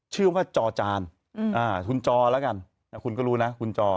ชื่อว่าจอจานคุณจอแล้วกันคุณก็รู้นะคุณจอ